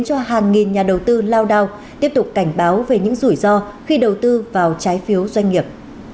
cho hàng nghìn nhà đầu tư lao đao tiếp tục cảnh báo về những rủi ro khi đầu tư vào trái phiếu doanh nghiệp